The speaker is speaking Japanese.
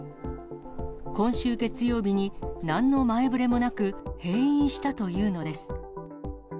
今週月曜日に、なんの前触れもなく閉院したというのです。